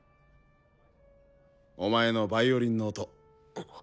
お前のヴァイオリンの音。